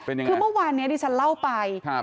เป็นยังไงคือเมื่อวานเนี้ยดิฉันเล่าไปครับ